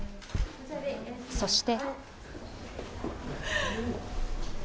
そして。